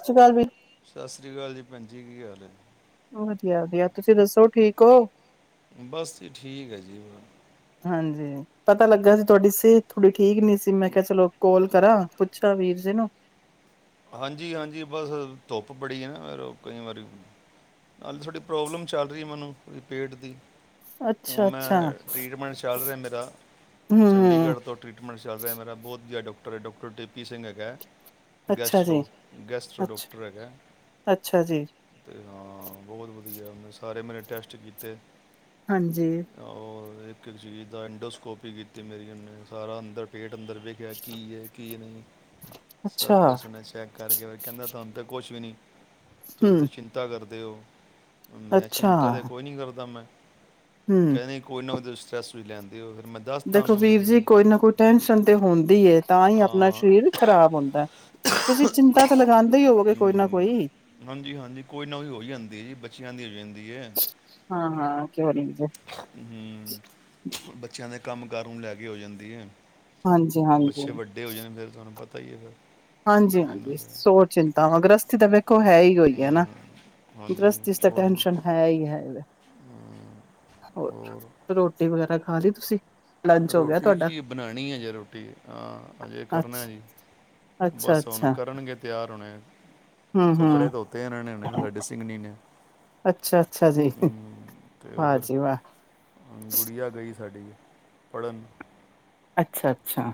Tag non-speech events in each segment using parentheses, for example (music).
ਸਤਿ ਸ਼੍ਰੀ ਅਕਾਲ ਵੀ ਸਤਿ ਸ੍ਰੀ ਅਕਾਲ ਜੀ। ਭੈਣ ਜੀ ਕੀ ਹਾਲ। ਹ ਵਧੀਆ, ਵਧੀਆ। ਤੁਸੀਂ ਦੱਸੋ ਠੀਕ ਹੋ। ਬਸ ਜੀ। ਠੀਕ ਹੈ ਜੀ। ਹਾਂਜੀ। ਪਤਾ ਲੱਗਾ ਸੀ ਤੁਹਾਡੀ ਸਿਹਤ ਥੋੜੀ ਠੀਕ ਨੀ ਸੀ। ਮੈਂ ਕਿਹਾ ਚਲੋ ਕੋਾਲ ਕਰਾਂ ਪੁੱਛਾਂ ਵੀਰ ਜੇ ਨੂੰ। ਹਾਂਜੀ, ਹਾਂਜੀ ਬਸ ਧੁੱਪ ਬੜੀ ਹੈ। ਨਾ ਫ ਕਈ ਵਾਰੀ ਨਾਲੇ ਥੋਡੀ ਪ੍ਰੋਬਲਮ ਚੱਲ ਰਹੀ ਮੈਨੂੰ ਪੇਟ ਦੀ। ਉਹ ਅੱਛਾ ਅੱਛਾ ਮੈਂ ਟ੍ਰਰੀਟਮੈਂਟ ਚੱਲ ਰਿਹਾ ਮੇਰਾ। ਹਮ ਚੰਡੀਗੜ੍ਹ ਤੋਂ ਟ੍ਰਰੀਟਮੈਂਟ ਚੱਲ ਰਿਹਾ ਮੇਰਾ। ਬਹੁਤ ਜਧੀ ਡਾਕ। (unintelligible) ਅੱਛਾ ਗੈਸਟ ਜੀ ਰੋ ਗੈਸਟ ਅੱਛਾ ਡੋਕਟਰ ਹੈਗਾ। ਅੱਛਾ ਜੀ ਅਤੇ ਹਾਂ ਬਹੁਤ ਵਧੀਆ ਮੈਂ ਸਾਰੇ ਮੇਰੇ। ਟੈਸਟ ਕੀਤੇ। ਹਾਂਜੀ। ਔਰ ਇੱਕ ਇੱਕ ਚੀਜ਼ ਦਾ ਇੰਡੋਸਕੋਪੀ ਕੀਤੀ ਮੇਰੀ। ਉਹਨ ਸਾਰਾ ਅੰਦਰ ਪੇਟ। ਅੰਦਰ ਵੇਖਿਆ ਕੀ ਹੈ। ਕੀ ਨਹੀਂ। ਸਭ ਅੱਛਾ ਕੁਛ ਮੈਂ ਚੈੱਕ ਕਰਕੇ ਫਿਰ ਕਹਿੰਦਾ ਤੁਹਾਨੂੰ ਅਤੇ ਕੁਛ ਵੀ ਨਹੀਂ। ਤੁੂੰ ਇਸ ਹਮ ਚਿੰਤਾ ਕਰਦਾ। ਦਿਓ ਮੈਂ ਅੱਛਾ ਚਿੰਤਾ ਤੇ ਕੋਈ ਨੀ ਕਰਦਾ ਮੈਂ। ਹਮ ਕਹਿੰਦੇ ਕੋਈ ਨਾ ਕੋ ਦਸ। ਸੈਸ ਵੀ ਲੈਂਦੇ ਹੋਿਰ। ਦੇਖੋ ਵੀਰ ਜੀ ਕੋਈ ਨਾ ਕੋਈ ਟੈਸ਼ਨ ਤੇ ਹੁੰਦੀ ਹੈ। ਤਾਂ ਹੀ ਆਪਣਾ ਆ ਸਰੀਰ ਖ਼ਰਾਬ ਹੁੰਦਾ। ਤੁਸੀਂ ਚਿੰਤਾ ਤੇ ਲਗਾਉਂਦੇ ਹੀ ਹੋਵੋਗੇ ਕੋਈ ਨਾ ਹਮ, ਕੋਈ ਹਾਂਜੀ ਹਾਂਜੀ ਕੋਈ ਨਾ ਕੋਈ ਹੋ ਹੀ ਜਾਂਦੀ ਹੈ ਜੀ ਬੱਚਿਆਂ ਦੀ ਹੋ ਜਾਂਦੀ ਹਾਂ ਹਾਂ ਕਿਉ ਨੇ। ਹਮ ਬੱਚਿਆਂ ਦਾ। ਅਤੇ ਕੰਮ ਕਾਰ ਨੂੰ ਲੈ ਕੇ ਹੋ ਜਾਂਦੀ ਹੈ। ਹਾਂਜੀ, ਹਾਂਜੀ। ਬਤਾਈਏ ਸਰਿਰ। ਹਾਂਜੀ, ਹਾਂਜੀ ਸੋ ਚਿੰਤਾ ਵਾਂ ਗ੍ਰਸਤੀ ਤਾਂ ਵੇਖੋ ਹੈ। ਹੀ ਹੋਈ ਹੈ ਨਾ ਹਮ, ਹਾਂਜੀ ਗ੍ਰਸਤੀ ਚ ਤਾਂ ਉਹੀ ਟੈਸ਼ਨ ਹੈ ਹੀ ਹੈ। ਹਮ, ਹੋਰ ਰੋਟੀ ਵਗੈਰਾ ਖਾ ਲਈ ਤੁਸੀਂ। ਲੰਚ ਹੋ ਗਿਆ ਰੋਟੀ ਤੁਹਾਡਾ ਜੀ ਬਣਾਉਣੀ ਹੈਜੇ ਰੋਟੀ। ਹਾਂ ਹਜੇ ਕਰਨਾ ਅੱਛਾ ਜੀ। ਅੱਛਾ, ਅੱਛਾ। ਘਰ ਹਨ ਹਮ ਹਮ ਕੱਪੜੇ ਧੋਤੇ ਇਹਨਾਂ ਨੇ ਉਹਨੇ ਸਾਡੇ ਸਿੰਗਨੀ ਨੇ ਅੱਛਾ ਅੱਛਾ ਜੀ ਹਮ ਤੇ ਉਹ ਵਾਹ ਫਿਰ ਜੀ ਵਾਹ ਗੁੜੀਆ ਗਈ ਸਾਡੀ ਪੜਨ ਅੱਛਾ ਅੱਛਾ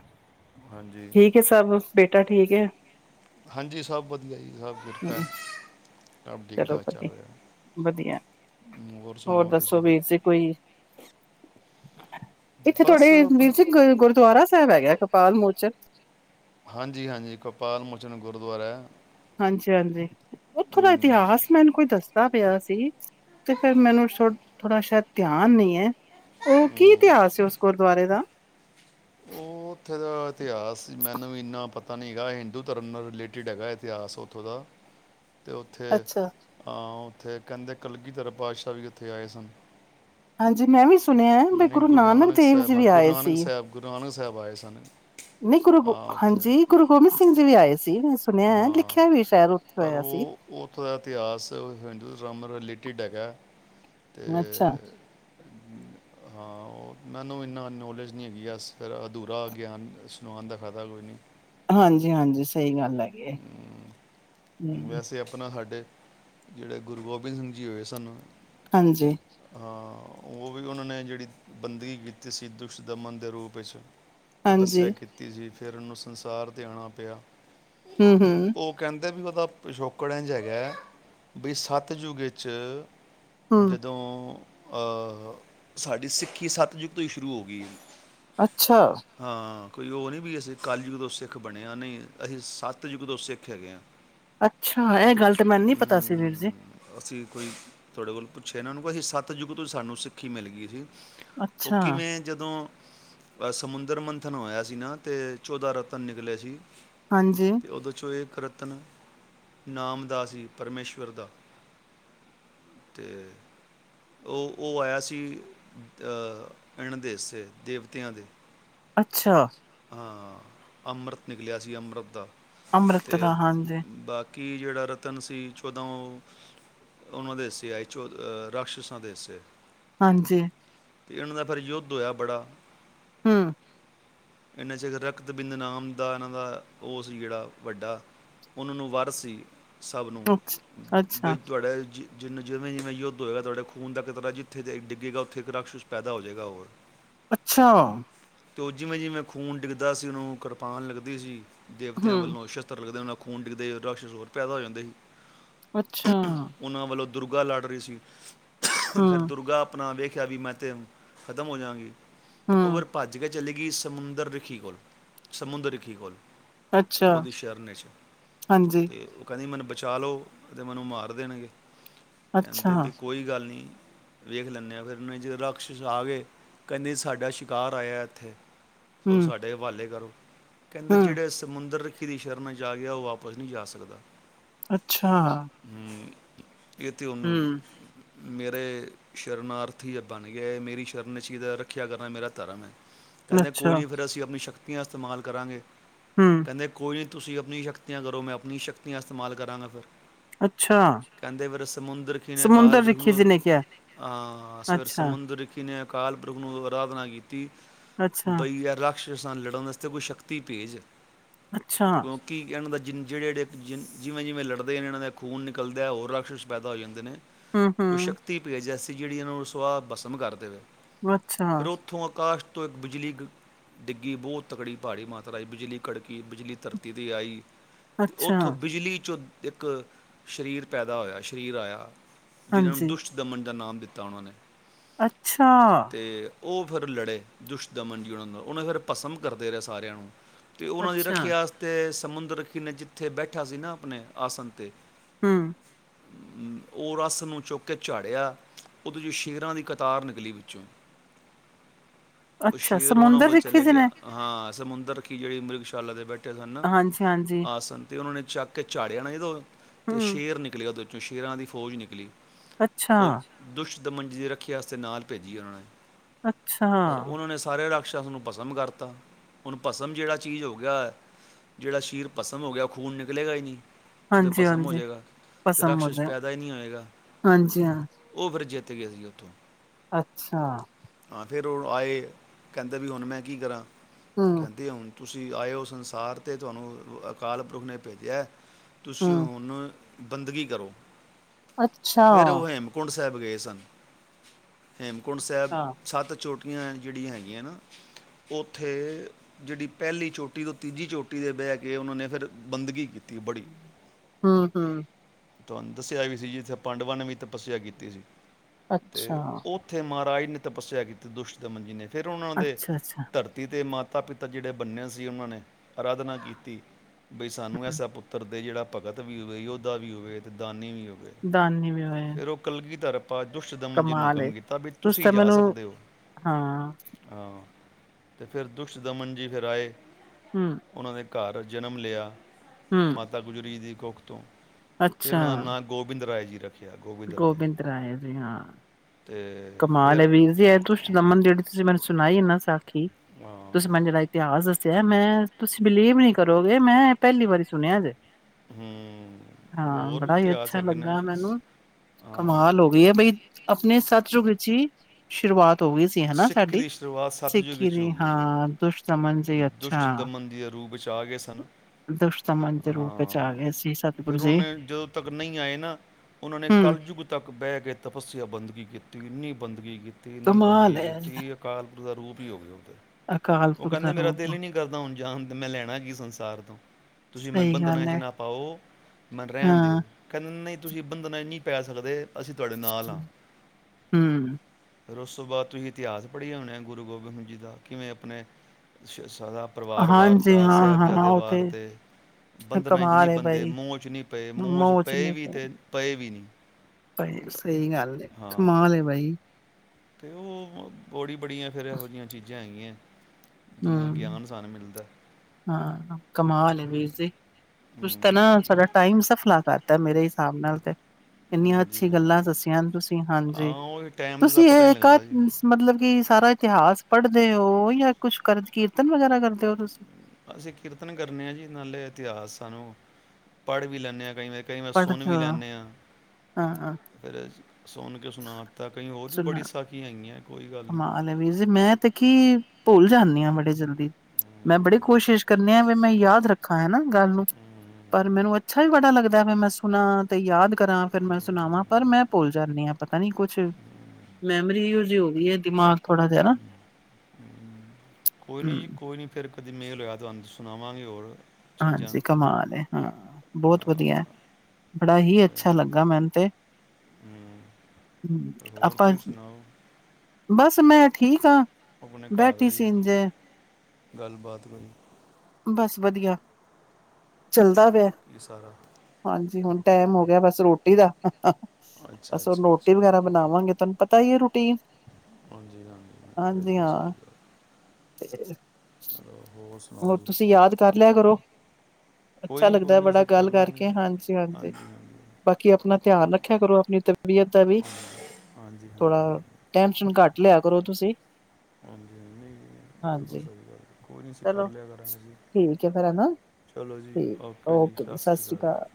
ਹਾਂਜੀ ਠੀਕ ਹੈ ਸਭ ਬੇਟਾ ਠੀਕ ਹੈ ਹਾਂਜੀ ਸਭ ਵਧੀਆ ਜੀ ਸਭ ਕੁਕ ਹੂੰ ਚਲੋ ਵਧੀਆ ਵਧੀਆ ਹਮ, ਹੋਰ ਸੁਣਾਓ ਤੁਸੀਂ ਦੱਸੋ ਵੀਰ ਜ ਕੋਈ ਇੱਥੇ ਬਸ ਥਹਾਡੇ ਵੀਰ ਜ ਆਪਣਾ- ਗੁਰਦੁਆਰਾ ਸਾਹਿਬ ਹੈਗੇ ਪਾਲ ਮੋਚਨ ਹਾਂਜੀ ਹਾਂਜੀ ਗਪਾਲ ਮਚਨ ਗੁਰਦੁਆਰਾ ਹਾਂਜੀ ਹਾਂਜੀ ਉੱਥੋਂ ਦਾ ਹਮ, ਇਤਿਹਾਸ ਮੈਨੂੰ ਕੋਈ ਦੱਸਦਾ ਪਿਆ ਸੀ ਤੇ ਫੇਿਰ ਮੈਨੂੰ ਥੋੜਾ ਸ਼ਾਇਦ ਧਿਆਨ ਨ ਹੈ ਉਹ ਕੀ ਹਮ, ਇਤਿਹਾਸ ਉਸ ਗੁਰਦੁਆਰੇ ਦਾ ਉਹ ਉੱਥੇ ਦਾ ਇਤਿਹਾਸ ਮੈਨੂੰ ਇੰਨਾ ਪਤਾ ਪਤਾ ਨਹੀਂ ਹੈਗਾ ਹਿੰਦੂ ਧਰਮ ਨਾਲ ਰਿਲੇਟਿਡ ਹੈਗਾ ਇਤਿਹਾਸ ਉੱਥੋਂ ਦਾ ਅਤੇ ਉੱਥੇ ਅੱਛਾ ਹਾਂ ਉੱਥੇ ਕਹਿੰਦੇ ਕਲਗੀ ਧਰ ਪਾਤਸ਼ਾਹ ਵੀ ਉੱਥੇ ਆਏ ਸਨ ਹਾਂਜੀ ਮੈਂ ਵੀ ਸੁਣਿਆ ਬ ਨਹੀਂ ਗੁਰੂ ਨਾਨਕ ਦੇਵ ਸਾਹਿਬ ਜੀ ਹਾਂ ਵੀ ਗੁਰੂ ਆਏ ਸੀ ਨਾਨਕ ਸਾਹਿਬ ਗੁਰੂ ਨਾਨਕ ਸਾਹਿਬ ਆਏ ਸਨ ਨਹੀਂ ਗੁਰੂ ਗ ਹਾਂ ਉੱਥੇ ਹਾਂਜੀ ਗੁਰੂ ਗੋਬਿੰਦ ਸਿੰਘ ਜੀ ਵੀ ਆਏ ਸੀ ਵੈਸੇ ਹਾਂ ਪਰ ਉਹ ਉੱਥੋਂ ਦਾ ਇਤਿਹਾਸ ਹਿੰਦੂ ਧਰਮ ਮਰ ਲਿਟੀ ਡਗਾ ਅੱਛਾ ਹਾਂ ਉਹ ਮੈਨੂੰ ਇੰਨਾ ਨੌਲੇਜ ਨਹੀਂ ਹੈਗੀ ਅ ਫਿਰ ਅਧੂਰਾ ਗਿਆਨ ਸੁਣਾਉਣ ਦਾ ਫਾਇਦਾ ਕੋਈ ਨਹੀਂ ਹਾਂਜੀ ਹਾਂਜੀ ਸਹੀ ਗੱਲ ਹੈਗੀ ਹੂੰ ਹਮ ਵੈਸੇ ਆਪਣਾ ਸਾਡੇ ਜਿਹੜੇ ਗੁਰੂ ਗੋਬਿੰਦ ਸਿੰਘ ਜੀ ਹੋਏ ਸਨ ਹਾਂਜੀ ਹਾਂ ਉਹ ਵੀ ਉਹਨਾਂ ਨੇ ਜਿਹੜੀ ਬੰਦਗੀ ਕੀਤੀ ਸੀ ਦੁਸ਼ਟ ਦਮਨ ਦੇ ਰੂਪ ਵਿੱਚ ਹਾਂਜੀ ਤਪੱਸਿਆ ਕੀਤੀ ਸੀ ਸਿਰਨ ਨੂੰ ਸੰਸਾਰ 'ਤੇ ਆਉਣਾ ਪਿਆ ਹਮ ਤੇ ਹਮ ਉਹ ਕਹਿੰਦੇ ਵੀ ਉਹ ਦਾ ਪਿਛੋਕੜ ਇੰਝ ਹੈਗਾ ਬਈ ਸੱਤ ਜੁਗ ' ਹਮ ਜਦੋਂ ਅਹ ਸਾਡੀ ਸਿੱਖੀ ਸੱਤਯੁੱਗ ਤੋਂ ਹੀ ਸ਼ੁਰੂ ਹੋ ਗਈ ਅੱਛਾ ਹਾਂ ਕੋਈ ਉਹ ਨਹੀਂ ਵੀ ਅਸੀਂ ਕੱਲ ਜ ਉਦੋਂ ਸਿੱਖ ਬਣਿਆ ਨਹੀਂ ਅਸੀਂ ਸੱਤ ਜੁਗ ਤੋਂੋਂ ਸਿੱਖ ਹੈਗੇ ਆ ਅੱਛਾ ਇਹ ਗੱਲ ਤੇ ਮੈਨੂੰ ਨੀ ਪਤਾ ਸੀ ਵੀਰ ਜੀ ਹਮ, ਅਸੀ ਸਤ ਯੁਗ ਤੋਂ ਹੀ ਸਾਨੂੰ ਸਿੱਖੀ ਮਿਲ ਗਈ ਸੀ ਓ ਅੱਛਾ ਕਿਿ ਮੈਂ ਜਦੋਂ ਅ ਸਮੁੰਦਰ ਮੰਥਨ ਹੋਇਆ ਸੀ ਨਾ ਤੇ ਚੌਦਾਂ ਰਤਨ ਨਿਕਲੇ ਸੀ ਹਾਂਜੀ ਅਤੇ ਉਹਦੇ 'ਚੋਂ ਇਹ ਰਤਨ ਨਾਮ ਦਾ ਸੀ ਪਰਮੇਸ਼ਵੁਰ ਦਾ ਅਤੇ ਉਹ ਉਹ ਆਇਆ ਸੀ ਅਹ ਇਹਨਾਂ ਦੇੇ ਦੇਵਤਿਆਂ ਦੇ ਅੱਛਾ ਹਾਂ ਅੰਮ੍ਰਿਤ ਨਿਕਲਿਆ ਸੀ ਅੰਮ੍ਰਿਤ ਦਾ ਅੰਮ੍ਰਿਤਥ ਹਾਂਜੀ ਕੀ ਜਿਹੜਾ ਰਤਨ ਸੀ ਚੌਦਾਂ ਉਹਨਾਂ ਦੇ ਹਿੱਸੇ ਆਏ ਚੌ ਅਹ ਰਾਕਸ਼ਸਾਂ ਦੇ ਹਿੱਸੇ ਹਾਂਜੀ ਅਤੇ ਇਹਨਾਂ ਦਾ ਫਿਰ ਯੁੱਧ ਹੋਇਆ ਬੜਾ ਹਮ ਇਹਨਾਂ 'ਚ ਰਕਤ ਬਿੰਦ ਨਾਮ ਦਾ ਇਹਨਾਂ ਦਾ ਉਹ ਸੀ ਜਿਹੜਾ ਵੱਡਾ ਉਹਨਾਂ ਨੂੰ ਵਰ ਸੀ ਸਭ ਨੂੰ ਅੱਛਾ ਬਈ ਤੁਹਾਡਾ ਜੀ ਜਿਨੂੰ ਜਿਵੇਂ ਜਿਵੇਂ ਯੁੱਧ ਹੋਏਗਾ ਤੁਹਾਡੇ ਖੂਨ ਦਾ ਕਿਤਰਾ ਜਿੱਥੇ ਡਿੱਗੇਗਾ ਉੱਥੇ ਇੱਕ ਰਾਕਸ਼ਸ ਪੈਦਾ ਹੋ ਜਾਵੇਗਾ ਉਹਰ ਅੱਛਾ ਤੇ ਉਹ ਜਿਵੇਂ ਜਿਵੇਂ ਖੂਨ ਡਿੱਗਦਾ ਸੀ ਉਹਨੂੰ ਕਿਰਪਾਨ ਲੱਗਦੀ ਸੀ ਦੇਵਤਿਆਂ ਹੂੰ, ਵੱਲੋਂ ਸ਼ਸਤਰ ਲੱਗਦੇਨਾਂ ਖੂਨ ਡਿੱਗਦੇ ਰ ਰਾਸ਼ਸ ਹੋਰੈਦਾ ਹੋ ਜਾਂਦੇ ਸੀ ਅੱਛਾ ਉਹਨਾਂ ਵੱਲੋਂ ਦੁਰਗਾ ਲੜ ਰਹੀ ਸੀ ਫੇਿਰ ਹੂੰ, ਦੁਰਗਾ ਆਪਣਾ ਵਖ ਖਿਆ ਵੀ ਮੈਂ ਤਾਂ ਖਤਮ ਹੋ ਜਾਵਾਂਗੀ ਹੂੰ, ਉਰ ਭਾਜ ਚਲੇ ਗਈ ਸਮੁੰਦਰ ਰਿੱਖੀ ਕੋਲ ਸਮੁੰਦਰ ਰਿੱਖੀ ਕੋਲ ਅੱਛਾ, ਉਹਦੀ ਸ਼ਰਨੇ ਚ ਹਾਂਜੀ, ਤੇ ਉਹ ਕਹਿੰਦੀ ਮੈਨੂੰ ਚਾਹ ਲਓ ਅਤੇ ਮੈਨੂੰ ਮਾਰ ਦੇਣਗੇ ਅੱਛਾ, ਕਹਿੰਦੇ ਵੀ ਕੋਈ ਗੱਲ ਨਹੀਂ ਵੇਖ ਲੈਂਦੇ ਆਾਂ ਫਿਰ ਉਹਨੇ ਜਦੋਂ ਰਾਕਸ਼ ਆ ਗਏ ਕਹਿੰਦੇ ਸਾਡਾ ਸ਼ਿਕਾਰ ਆਇਆ ਉੱਥੇ ਤ ਹੂੰ, ਸਾਡੇ ਹਵਾਲੇ ਕਰੋ ਕਹਿੰਦੇ ਹੂੰ, ਜਿਹੜੇ ਸਮੁੰਦਰ ਕਿ ਦੀ ਸ਼ਰਨ ਚ ਆ ਗਿਆ ਉਹ ਵਾਪਸ ਨਹੀਂ ਜਾ ਸਕਦਾ ਅੱਛਾ ਹਮ, ਇਹ ਉਹਨ ਹੂੰ, ਮੇਰੇ ਸ਼ਰਨਾਰਥ ਹੀ ਬਣ ਗਏ ਮੇਰੀ ਸ਼ਰਨ 'ਚ ਇਹਦਾ ਰੱਖਿਆ ਕਰਨਾ ਮੇਰਾ ਧਰਮ ਹੈ ਕਹਿੰਦੇ ਕੋਈ ਅੱਛਾ, ਨਹੀਂੀ ਫੇਿਰ ਅਸੀਂ ਆਪਣੀ ਸ਼ਕ ਦਾ ਇਸਤੇਮਾਲ ਕਰਾਂਗੇ ਹੂੰ, ਕਹਿੰਦੇ ਕੋਈ ਤੁਸੀਂ ਆਪਣੀ ਸ਼ਕਤੀਆਂ ਕਰੋ ਮੈਂ ਆਪਣੀ ਸ਼ਕਤੀਆਂ ਇਸਤੇਮਾਲ ਕਰਾਂਗਾ ਫਿਰ ਅੱਛਾ, ਕਹਿੰਦੇ ਫਿਰ ਸਮੁੰਦਰ ਕੀਨ ਕਾਲ ਸਮੁੰਦਰ ਰਿਖੀ ਜੀ ਬ੍ਰਖਨ ਨੇ ਕਿਹਾ, ਅਹ ਸ ਫਰ ਅੱਛਾ, ਸਮੁੰਦਰ ਕੀਨ ਅਕਾਲ ਪੁਰਖ ਨੂੰ ਅਰਾਧਨਾ ਕੀਤੀ ਅੱਛਾ, ਬਈਆ ਰੱਖ ਰਾਸ਼ਾਨ ਲੜਨ ਵਾਤੇ ਕੋਈ ਸ਼ਕਤੀ ਭੇਜ ਅੱਛਾ, ਕਿਉਂ ਕੀ ਕਹਿਣ ਦਾ ਜਿਨ ਜਿਹੜੇ ਜਿਹੜੇਿ ਜਿਵੇਂਿਂੜਦੇ ਨੇ ਇਹਨਾਂ ਦੇ ਖੂਨ ਨਿਕਲ ਹੈ ਹੋਰ ਰਾਕਸ਼ਸ ਪੈਦਾ ਹੋ ਜਾਂਦੇ ਨੇ ਹੂੰ, ਕੁ ਹੂੰ, ਸ਼ਕਤੀ ਪੇ ਜੈਸ ਅਤੇ ਜਿਹੜੀ ਇਹ ਨੂੰ ਰ ਸੁਵਾਹ ਬਸਮ ਕਰ ਦੇਵੇ ਅੱਛਾ, ਫਿਰ ਉੱਥੋਂ ਆ ਕਾਸ਼ਟ ਤੋਂ ਇੱਕ ਬਿਜਲੀ ਗ ਡਿੱਗੀ ਬਹੁਤ ਤਕੜੀ ਪਹਾੜੀ ਮਾਤਰਾ ਵਿੱਚ ਬਿਜਲੀ ਕੜਕੀ ਬਿਜਲੀ ਧਰਤੀ 'ਤੇ ਆਈ ਅਤੇ ਅੱਛਾ, ਉੱਥੋਂ ਬਿਜਲੀ ਚੋਂ ਇੱਕ ਸਰੀਰ ਪੈਦਾ ਹੋਇਆ ਸਰੀਰ ਆਇਆ ਜਿਨ੍ਹਾਂ ਨੂੰ ਹਾਂਜੀ, ਦੁਸ਼ਟ ਦਮਨ ਦਾ ਨਾਮ ਦਿੱਤਾ ਉਹਨਾਂ ਨੇ ਅੱਛਾ ਤੇ ਉਹ ਫਿਰ ਲੜੇ ਦੁਸ਼ਦਮਨ ਜੀਣਾਦਾ ਉਹਨੇ ਫਿਰ ਪਸੰਮ ਕਰਦੇ ਰਹੇ ਸਾਰਿਆਂ ਨੂੰ ਅਤੇ ਉਹਨਾਂ ਦੀ ਅੱਛਾ, ਰੱਖੀਤੇ ਸਮੁੰਦਰ ਕਿਨ ਜਿੱਥੇ ਬੈਠਾ ਸੀ ਨਾ ਆਪਣੇ ਆਸਨ ਤੇ ਹਮ ਉਹ ਰਸ ਨੂੰ ਚੁੱਕ ਕੇ ਝਾੜਿਆ ਉਹਦੇ ਚੋਂ ਸ਼ੇਰਾਂ ਦੀ ਕਤਾਰ ਨਿਕਲੀ ਵਿੱਚੋਂ ਉਹ ਅੱਛਾ, ਸ਼ੇਰ ਉਹਨਾਂ ਸਮੁੰਦਰ ਕੋਲ ਰਿਖੀ ਚਲੇ ਜੀ ਗਿਆ ਨੇ, ਹਾਂ ਸਮੁੰਦਰ ੀ ਜਿਹੜੀ ਮਿਗਸ਼ਾਲਾ ਦੇ ਬੈਠ ੇ ਸਨ ਨਾ ਹਾਂਜੀ-ਹਾਂਜੀ, ਆ ਸਨ ਤੇ ਉਹਨਾਂ ਨੇ ਚੱਕ ਕੇ ਚਾੜਿਆਣਾ ਇਹ ਅਤੇ ਹੂੰ, ਸ਼ੇਰ ਨਿਕਲਿਆ ਚੋਂ ਸ਼ੇਰਾਂ ਦੀ ਫੌਜ ਨਿਕਲੀ। ਅੱਛਾ, ਉਹ ਚ ਦੁਸ਼ ਮੰਜੀ ਦੀ ਰੱਖੀ ਆ ਨਾ ਨਾਲ ਭੇਜੀ ਆ ਉਹਨਾਂ ਨੇ ਅ। ਪਰ ਉਹਨਾਂ ਨੇ ਸਾਰੇ ਡਾਕ ਨਕਸ਼ਾ ਉਸਨੂੰ ਭਸਮ ਕਰਤਾ ਹੁਣ ਭਸਮ ਜਿਹੜਾ ਚੀਜ਼ ਹੋ ਗਿਆ ਜਿਹੜਾ ਸਰੀਰ ਭਸਮ ਹੋ ਗਿਆ ਖੂਨ ਨਿਕਲੇਗਾ ਹੀ ਨਹੀਂ। ਦੇਹ ਭਸਮ ਹੋ ਹਾਂਜੀ-ਹਾਂਜੀ, ਜਾਏਗਾ ਤੇ ਪਸੰਦ ਰਾਕਸ਼ਸ਼ ਮੁਝੇ, ਪੈਦਾ ਹੀ ਨਹੀਂ ਹੋਏਗਾ ਹਾਂਜੀ ਹਾਂ, ਉਹ ਫਿਰ ਜਿੱਤ ਕਿੱਥੇ ਗਿਆ ਸੀ ਉਹ ਤੂੰ। ਅੱਛਾ। ਉਹ ਆਏ ਕਹਿੰਦੇ ਵੀ ਹੁਣ ਮੈਂ ਕੀ ਕਰਾਂ। ਹੂੰ, ਕਹਿੰਦੇ ਹੁਣ ਤੁਸੀਂ ਆਇਓ ਸੰਸਾਰ ਅਤੇ ਤੁਹਾਨੂੰ ਅਕਾਲ ਪੁਰਖ ਨੇ ਭੇਜਿਆ। ਤੁਸੀਂ ਹੂੰ ਹੁਣ ਬੰਦਗੀ ਕਰੋ। ਅੱਛਾ। ਫਿਰ ਉਹ ਹੇਮਕੁੰਡ ਸਾਹਿਬ ਉਹ ਗਏ ਸਨ। ਹੇਮਕੁੰਟ ਸਾਹਿਬ ਸਤ ਚੋਟੀਆਂ ਜਿਹੜੀਆਂ ਹੈਗੀਆਂ ਨਾ ਉੱਥੇ ਜਿਹੜੀ ਪਹਿਲੀ ਚੋਟੀ ਤੋਂ ਤੀਜੀ ਚੋਟੀ ਤੇ ਬਹਿ ਕੇ ਉਹਨਾਂ ਨੇ ਫਿਰ ਬੰਦਗੀ ਕੀਤੀ। ਬੜੀ ਹੂੰ- ਹੂੰ। ਤੁਹਾਨੂੰ ਦੱਸਿਆ ਵੀ ਸੀ ਜਿੱਥੇ ਪਾਂਡਵਾਂ ਨੇ ਵੀ ਤਪੱਸਿਆ ਕੀਤੀ ਸੀ। ਅੱਛਾ, ਤੇ ਉੱਥੇ ਮਹਾਰਾਜ ਨੇ ਤਪੱਸਿਆ ਕੀਤੀ। ਦੁਸ਼ਟ ਦੇ ਮੰਜੀ ਨੇ ਫਿਰ ਉਹਨਾਂ ਦੇ ਅੱਛਾ, ਅੱਛਾ ਧਰਤੀ ਤੇ ਮਾਤਾ ਮਾਤਾ ਪਿਤਾ ਜਿਹੜੇ ਬੰਨਿਆ ਸੀ ਉਹਨਾਂ ਨੇ ਅਰਾਧਨਾ ਕੀਤੀ। ਬਈ ਸਾਨੂੰ ਹਮ, ਐਸਾ ਪੁੱਤਰ ਦੇ ਜਿਹੜਾ ਭਗਤ ਵੀ ਹੋਵੇ ਯੋਧਾ ਵੀ ਹੋਵੇ ਤੇ ਦਾਨੀ ਵੀ ਹੋਵੇ। ਦਾਨ ਨਹੀਂ ਵੀ ਹੋਇਆ। ਆਪਾਂ ਦੁਸ਼ਟ ਦਮਨ ਜੀ ਨੂੰ ਹੁਕਮ ਕੀਤਾ ਵੀ ਤੁਸੀਂ ਤਾਂ ਜਾ ਮੈਨੂੰ ਸਕਦੇ ਹੋ। ਹਾਂ। ਹਾਂ ਤੇ ਫਿਰ ਦੁਸ਼ਟ ਦਮਨ ਜੀ ਫਿਰ ਆਏ। ਹੂੰ, ਉਹਨਾਂ ਦੇ ਘਰ ਜਨਮ ਲਿਆ। ਹੂੰ ਮਾਤਾ ਗੁਜਰੀ ਦੀ ਕੋਖ ਤੋਂ ਫਿਰ ਅੱਛਾ ਉਹਨਾਂ ਦਾ ਨਾਂ ਗੋਬਿੰਦ ਰਾਏ ਜੀ ਰੱਖਿਆ ਰਾਏ ਗੋਬਿੰਦ ਰਾਏ ਜੀ ਹਾਂ। ਤੇ ਕਮਾਲ ਐ ਫਿਰ ਵੀਰ ਜੀ ਐ ਦੁਸ਼ਟ ਹਾਂ ਦਮਨ ਜਿਹੜੀ ਤੁਸੀਂ ਮੈਨੂੰ ਸੁਣਾਈ ਹੈ ਨਾ ਸਰ ਖੀ, ਹਾਂ ਤੁਸੀਂ ਮੈਨੂੰ ਜਿਹੜਾ ਇਤਿਹਾਸ ਦੱਸਿਆ ਮੈਂ ਤੁਸੀਂ ਬਿਲੀਵ ਨੀ ਕਰੋਗੇ ਮੈਂ ਪਹਿਲੀ ਵਾਰੀ ਸੁਣਿਆ ਜੇ। ਹੂੰ, ਹਾਂ ਹੋਰ ਵੀ ਬੜਾ ਹੀ ਇਤਿਹਾਸ ਅੱਛਾ ਹੈਗੇ ਨੇ ਲੱਗਾ ਮੈਨੂੰ ਅ, ਕਮਾਲ ਹੋ ਗਈ ਹੈ ਬਈ ਆਪਣੇ ਸਥ ਯੁੱਗ ਚ ਈ ਸ਼ੁਰੂਆਤ ਤ ਹੋਈ ਸੀ ਹਨਾ, ਸਿੱਖ ਸਾਡੀ ਦੀ ਸ਼ੁਰੂਆਤ ਸਤਿਯੁਗ ਸਿੱਖੀ ਵਿੱਚ ਹੋ ਦੀ ਗਈ ਸੀ। ਹਾਂ ਦੁਸ਼ਟਦਮ ਦੁਸ਼ਟ ਦਮਨ ਦੀ ਰੂਪ ਵਿੱਚ ਆ ਗਏ ਸਨ, ਦੁਸ਼ਮਨ ਦੇ ਰੂਪ ਵਿੱਚ ਹਾਂ ਆ ਗਏ ਸੀ ਸਤਿਗੁਰੂ ਫਿਰ ਜੀ ਉਹਨੇ ਜਦੋਂ ਤੱਕ ਨਹੀਂ ਆਏ ਨਾ, ਉਹਨਾਂ ਨੇ ਹੂੰ ਕੱਲਯੁੱਗ ਤੱਕ ਬਹਿ ਕੇ ਤਪੱਸਿਆ ਬੰਦਗੀ ਕੀਤੀ ਇਨੀ ਬੰਦਗੀ ਕੀ ਇਨੀ ਕਮਾਲ ਬੰਦਗੀ ਹੈ ਕੀਤੀ ਅਕਾਲ ਉਹਦਾ ਰੂਪ ਹੀ ਹੋਵੇ ਗਏ ਉਹ ਤੇ। (unintelligible) ਉਹ ਦਾ ਕਹਿੰਦੇ ਮੇਰਾ ਦਿਲ ਰੂਪ ਹੀ ਨਹੀਂ ਕਰਦਾ ਹੁਣ ਜਾ ਮੈਂ ਲੈਣਾ ਕੀ ਸੰਸਾਰ ਤੋਂ, ਤੁਸੀਂ ਮੈਂਨ ਸਹੀ ਬੰਧਨਾਂ ਗੱਲ 'ਚ ਹੈ ਨਾ ਪਾਓ, ਮੈਂਨ ਰਹਿਣ ਦਿਓ ਹਾਂ ਕਹਿੰਦੇ ਨਹੀਂ ਤੁਸੀਂ ਬੰਧਨਾ ਨਹੀਂ ਪੈ ਸਕਦੇ ਅਸੀਂ ਤੁਹਾਡੇ ਨਾਲ ਹਾਂ। ਹੂੰ। ਫਿਰ ਉਸ ਤੋਂ ਬਾਅਦ ਤੁਸੀਂ ਇਤਿਹਾਸ ਪੜ੍ਹਿਆਂ ਹੋਣਾਂ ਗੁਰੂ ਗੋਬਿੰਦ ਜੀ ਦਾ ਕਿਵੇਂ ਆਪਣੇ ਅੱਛਾ ਅੱਛ ਸਾਰਾ ਪਰਿਵਾਰ ਹਾਂਜੀ ਵਾਰਤਾ, ਹਾਂ ਹਾਂ ਸਾਹਿਬਾਦੇ ਉਹ ਤੇ ਵਾਰਤੇ, ਬੰਧਨਾਂ ਚ ਨਹੀਂੀ ਕਮਾਲ ਏ ਬੰਦੇ, ਬਾਈ ਮੋਹ ਚ ਨੀ ਪਏ ਮੋਹ ਚ ਪਏ ਮੋਚਨੇ ਵੀ ਤੇ ਪਏ ਵੀ ਨੀ, ਪਏ ਸਹੀ ਗੱਲ ਏ ਹਾਂ। ਕਮਾਲ ਏ ਬਾਈ ਤੇ ਉਹ ਬੜੀ ਬੜੀਆਂ ਫੇਰ ਇਹੋ ਜਿਹੀਆਂ ਚੀਜ਼ਾਂ ਹੈਗੀਆਂ। ਜਿਹਦੇ ਨਾਲ ਹੂੰ, ਗਿਆਨ ਸਾਨੂੰ ਮਿਲਦਾ ਹਾਂ ਕਮਾਲ ਹੈ ਵੀਰ ਜੀ। ਤੁਸ ਤੇ ਨਾ ਹੂੰ ਸਾਡਾ ਟਾਈਮ ਸਫਲਾ ਕਰਤਾ ਮੇਰੇ ਹਿਸਾਬ ਨਾਲ ਤੇ। ਇੰਨੀਆਂ ਹਾਂਜੀ ਅੱਛੀ ਗੱਲਾਂ ਹਾਂਜੀ ਦੱਸੀਆਂ ਨੇ ਤੁਸੀਂ, ਹਾਂ ਹਾਂਜੀ ਉਹ ਟਾਈਮ ਦਾ ਤੁਸੀਂ ਤਾਂ ਪਤਾ ਹੀ ਨਹੀਂ ਇਹ ਲੱਗਦਾ ਜੀ (unintelligible) ਮਤਲਬ ਕਿ ਸਾਰਾ ਇਤਿਹਾਸ ਪੜ੍ਹਦੇ ਹੋ? ਓਹੀਓ ਕੁਛ ਕਰ ਕੀਰਤਨ ਵਗੈਰਾ ਕਰਦੇ ਹੋ ਤੁਸੀਂ? ਅਸੀਂ ਕੀਰਤਨ ਕਰਨੇ ਆਂ ਜੀ, ਨਾਲੇ ਇਤਿਹਾਸ ਸਾਨੂੰ ਪੜ੍ਹ ਵੀ ਲੈਂਨੇ ਆਂ ਕਈ ਵਾਰੀ। ਕਈ ਵਾਰ ਸੁਨ ਪੜ੍ਹਦੇ ਵੀ ਹੋ ਲੈਂਨੇ ਆਂ ਹਾਂ ਫਿਰ ਅਸੀਂ ਸੁਣ ਕੇ ਸੁਣਾ ਦਿੱਤਾ, ਕਈ ਹੋਰ ਵੀ ਸੁਣ ਬੜੀ ਸਾਖੀਆਂ ਹੈਗੀਆਂ ਨੇ। ਕਮਾਲ ਐ ਵੀਰ ਜੀ, ਮੈਂ ਤੇ ਕੀ ਭੁੱਲ ਜਾਂਦੀ ਹਾਂ ਬੜੇ ਜਲਦੀ ਮੈਂ ਬੜੀ ਕੋਸ਼ਿਸ਼ ਕਰਨੀ ਆਂ ਵੀ ਮੈਂ ਯਾਦ ਰੱਖਾਂ ਹਨਾ, ਗੱਲ ਨੂੰ ਪਰ ਹਮ, ਮੈਨੂੰ ਅੱਛਾ ਵੀ ਬੜਾ ਲੱਗਦਾ ਵੀ ਮੈਂ ਸੁਣਾ ਤੇ ਯਾਦ ਕਰਾਂ ਫਿਰ ਮੈਂ ਸੁਣਾਵਾਂ ਪਰ ਮੈਂ ਭੁੱਲ ਜਾਂਦੀ ਹਾਂ ਪਤਾ ਨੀ ਕੁਛ ਮੈਮਰੀ ਇਹੋ ਜੀ ਹੋ ਬਈ ਏ ਦਿਮਾਗ ਥੋੜਾ ਜਿਆ ਨਾ ਹਮ। ਕੋਈ ਨੀ ਜੀ ਹੂੰ ਕੋਈ ਨੀ ਫੇਰ ਕਦੀ ਮੇਲ ਹੋਇਆ ਤੁਹਾਨੂੰ ਸੁਣਾਵਾਂਗੇ ਹੋਰ ਚੀਜ਼ਾਂ ਹਾਂਜੀ ਕਮਾਲ ਏ। ਹਾਂ, ਬੋਤ ਵਧੀਐ। ਹਾਂ, ਬੜਾ ਹੀ ਤੇ, ਅੱਛਾ ਲੱਗਾ ਮੈਨ ਤੇ ਹਮ, ਹੂੰ, ਹੋਰ ਆਪਾਂ, ਤੁਸੀਂ ਸੁਣਾਓ ਬਸ ਤੇ ਮੈਂ ਠੀਕ ਹਾਂ। ਆਪਣੇ ਘਰ ਬੈਠੀ ਦੀ ਸੀਨ ਜੇ ਗੱਲਬਾਤ ਕੋਈ ਬਸ ਵਧੀਆ। ਚੱਲ ਦਾ ਪਿਐ। ਕੀ ਸਾਰਾ ਹਾਂਜੀ ਹੁਣ ਟੈਮ ਹੋ ਗਿਆ ਬਸ ਰੋਟੀ ਦਾ। ਅੱਛਾ ਬਸ ਹੁਣ ਰੋਟੀ ਵਗੈਰਾ ਬਣਾਵਾਂਗੇ ਤਾਨੂੰ ਪਤਾ ਈ ਏ ਰੁ ਹਾਂਜੀ-ਹਾਂਜੀ ਹਾਂ ਹਾਂਜੀ ਬਿਲਕੁਲ ਹਾਂ ਸਈ ਗੱਲ। ਹੋਰ ਸੁ ਬ ਤੁਸੀ ਯਾਦ ਕਰ ਲਿਆ ਕਰੋ। ਕੋਈ ਅੱਛਾ ਨਹੀਂ ਲੱਗਦਾ ਕੋਈ ਏ ਨਹੀਂ ਬੜਾ ਅਸੀਂ ਕਰ ਗੱਲ ਲਾਂਗੇ ਕਰਕੇ ਹਾਂਜੀ-ਹਾਂਜੀ ਹਾਂਜੀ ਹਾਂਜੀ ਬਾਕੀ ਆਪਣਾ ਧਿਆਨ ਰੱਖਿਆ ਕਰੋ ਅਪਣੀ ਤ ਬੀਅਤ ਦਾ ਵੀ। ਹਾਂਜੀ ਹਾਂਜੀ ਥੋੜਾ ਹਾਂਜੀ ਟੈਂਨਸ਼ਨ ਘੱਟ ਲਿਆ ਕਰੋ ਤੁਸ ਹਾਂਜੀ-ਹਾਂਜੀ, ਨਈ ਬਿਲਕੁਲ ਸਈ ਗੱਲ ਕੋਈ ਨੀ ਚਲੋ ਠੀਕ ਏ ਫੇਰ ਹੈਨਾ। ਚਲੋ ਜੀ ਠੀਕ, ਓਕੇ ਜੀ ਔਕੇ ਸਤਿ ਸ਼੍ਰੀ ਸ੍ਰੀ ਅਕਾਲ ਕਾਲ। ਜੀ